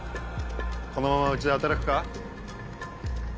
このままうちで働くか？